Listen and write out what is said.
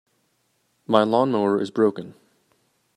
My lawn-mower is broken.